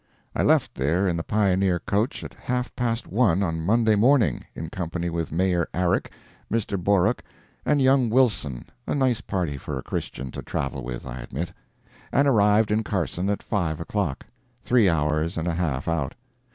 I left there in the Pioneer coach at half past one on Monday morning, in company with Mayor Arick, Mr. Boruck and young Wilson (a nice party for a Christian to travel with, I admit), and arrived in Carson at five o'clock—three hours and a half out.